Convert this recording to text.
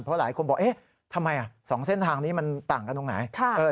เพราะหลายคนบอกเอ๊ะทำไม๒เส้นทางนี้มันต่างกันตรงไหน